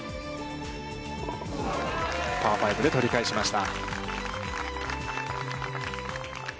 パー５で取り返しました。